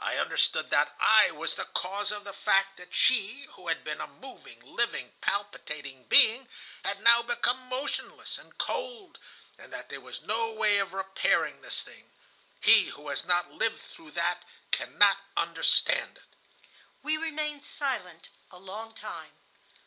I understood that I was the cause of the fact that she, who had been a moving, living, palpitating being, had now become motionless and cold, and that there was no way of repairing this thing. He who has not lived through that cannot understand it." We remained silent a long time.